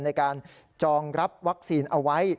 ในการจองรับวัคซีนเอาไว้